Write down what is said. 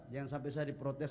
jangan sampai saya diprotes